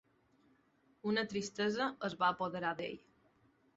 Una tristesa es va apoderar d'ell.